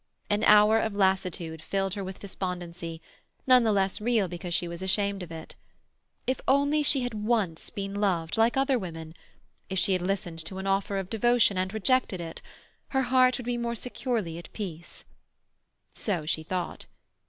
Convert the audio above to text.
An hour of lassitude filled her with despondency, none the less real because she was ashamed of it. If only she had once been loved, like other women—if she had listened to an offer of devotion, and rejected it—her heart would be more securely at peace. So she thought.